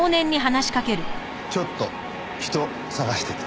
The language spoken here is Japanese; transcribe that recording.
ちょっと人を捜してて。